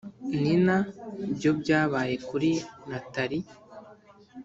nina byo byabaye kuri natalie.